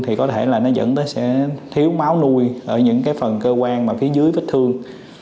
thì có thể là nó dẫn tới sẽ thiếu máu nuôi ở những cái phần cơ quan mà phía dưới vết thương